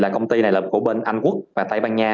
là công ty này là của bên anh quốc và tây ban nha